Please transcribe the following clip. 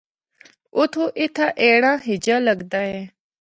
اُتھو اِتھا اینڑا ہچھا لگدا اے۔